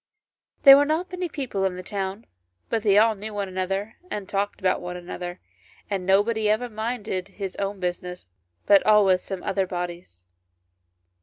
There were not many people in the town, but they all knew one another and talked about one another, and nobody ever minded his own business, but always some other body's.